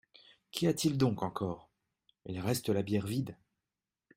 Qu'y a-t-il donc encore ? Il reste la bière vide.